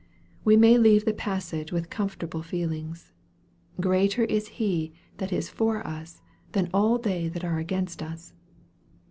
We may leave the passage with comfortable feelings. Greater is He that is for us than all they that are against us.